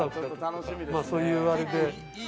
そういうあれで。